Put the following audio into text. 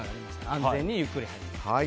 安全にゆっくり入れます。